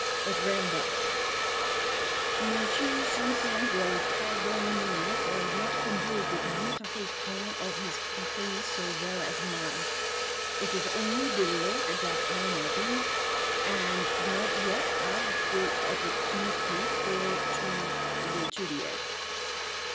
It ran thus: "Monsieur Simpson vill pardonne me for not compose de butefulle tong of his contrée so vell as might. It is only de late dat I am arrive, and not yet ave do opportunité for to—l'étudier.